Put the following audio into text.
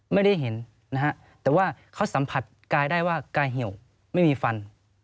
ไม่ได้เห็นนะฮะแต่ว่าเขาสัมผัสกายได้ว่ากายเหี่ยวไม่มีฟัน